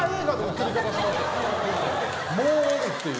もうおるっていう。